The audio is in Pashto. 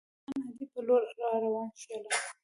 د بغلان د اډې په لور را روان شولو.